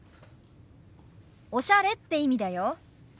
「おしゃれ」って意味だよ。